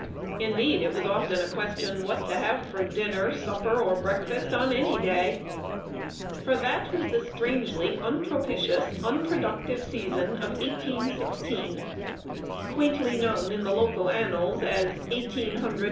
Indeed, it was often a question what to have for dinner, supper, or breakfast on any day. For that was the strangely unpropitious, unproductive season of 1816, quaintly known in local annals as "1800 and Froze to Death."